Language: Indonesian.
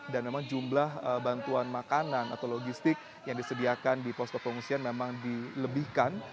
dan memang jumlah bantuan makanan atau logistik yang disediakan di pos kepengusian memang dilebihkan